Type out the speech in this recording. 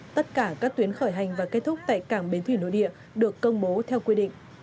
tất cả các tuyến khởi hành và kết thúc tại cảng bến thủy nội địa được công bố theo quy định